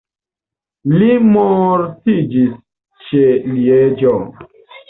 Li mortiĝis ĉe Lieĝo.